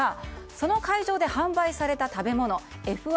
その会場で販売された食べ物Ｆ１